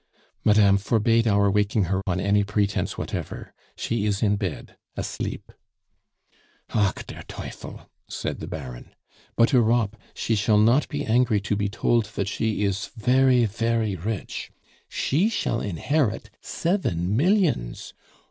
"Madame forbade our waking her on any pretence whatever. She is in bed asleep " "Ach der Teufel!" said the Baron. "But, Europe, she shall not be angry to be tolt that she is fery, fery rich. She shall inherit seven millions.